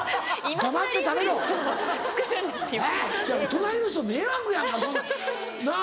隣の人迷惑やんかそんなんなぁ